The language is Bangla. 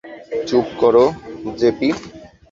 চুপ করো, জেপি।